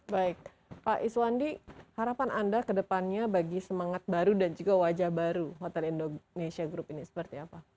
baik pak iswandi harapan anda ke depannya bagi semangat baru dan juga wajah baru hotel indonesia group ini seperti apa